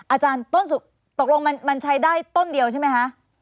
อาจารย์ต้นสุกตกลงมันใช้ได้ต้นเดียวใช่ไหมคะ